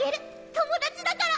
友達だから。